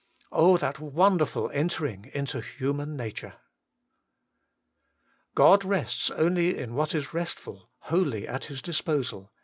Oh, that wonderful entering into human nature ! 3. God rests only in what is restful, wholly at His disposal.